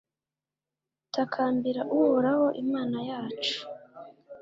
takambira uhoraho imana yacu